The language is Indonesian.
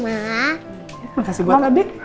makasih buat adik